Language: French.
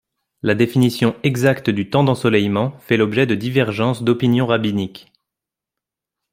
La définition exacte du temps d'ensoleillement fait l'objet de divergences d'opinions rabbiniques.